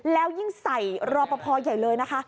แล้วยิ่งใส่รอปภใหญ่เลยนะคะ